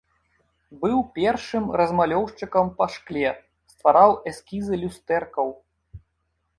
Быў першым размалёўшчыкам па шкле, ствараў эскізы люстэркаў.